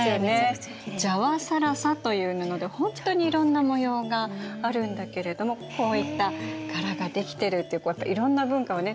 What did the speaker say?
ジャワ更紗という布で本当にいろんな模様があるんだけれどもこういった柄ができてるっていうことはいろんな文化をね